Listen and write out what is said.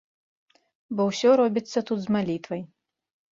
Бо ўсё робіцца тут з малітвай.